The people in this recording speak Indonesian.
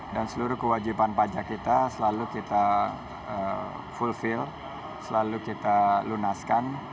dan seluruh kewajiban pajak kita selalu kita fulfill selalu kita lunaskan